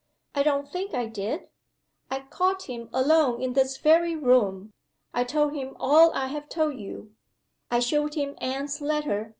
I don't think I did. I caught him alone in this very room. I told him all I have told you. I showed him Anne's letter.